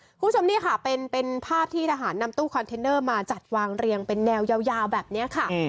คุณผู้ชมนี่ค่ะเป็นภาพที่ทหารนำตู้คอนเทนเนอร์มาจัดวางเรียงเป็นแนวยาวแบบนี้ค่ะ